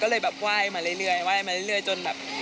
ก็เลยแบบว่ายมาเรื่อยจนแบบ